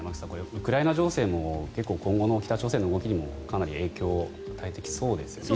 ウクライナ情勢も結構今後の北朝鮮の動きにかなり影響を与えてきそうですよね。